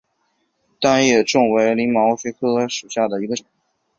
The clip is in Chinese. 单叶贯众为鳞毛蕨科贯众属下的一个种。